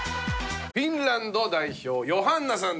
フィンランド代表ヨハンナさんです。